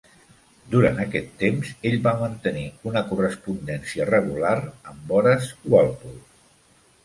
Durant aquest temps, ell va mantenir una correspondència regular amb Horace Walpole.